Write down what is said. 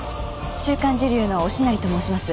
『週刊時流』の忍成と申します。